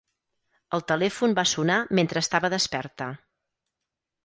El telèfon va sonar mentre estava desperta.